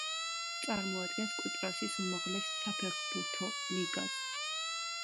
წარმოადგენს კვიპროსის უმაღლეს საფეხბურთო ლიგას.